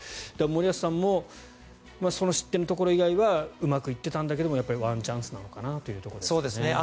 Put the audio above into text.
森保さんもその失点のところ以外はうまくいっていたけどワンチャンスなのかなというところですね。